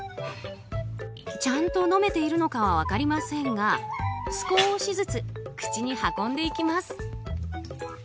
ちゃんと飲めているのかは分かりませんが少しずつ口に運んでいきます。